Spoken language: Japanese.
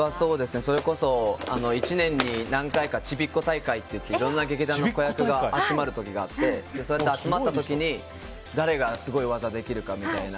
それこそ、１年に何回かちびっこ大会っていっていろんな劇団の子役が集まる時があって集まった時に誰がすごい技をできるかみたいな。